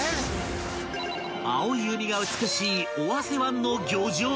［青い海が美しい尾鷲湾の漁場に］